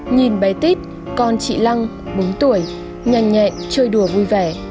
nhìn bé tít con chị lăng bốn tuổi nhanh nhẹn chơi đùa vui vẻ